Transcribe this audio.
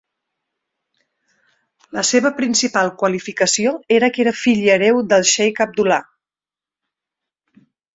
La seva principal qualificació era que era fill i hereu del xeic Abdullah.